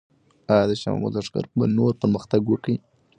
آیا د شاه محمود لښکر به نور پرمختګ وکړي؟